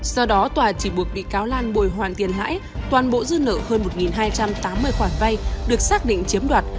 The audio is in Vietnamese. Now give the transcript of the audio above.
do đó tòa chỉ buộc bị cáo lan bồi hoàn tiền lãi toàn bộ dư nợ hơn một hai trăm tám mươi khoản vay được xác định chiếm đoạt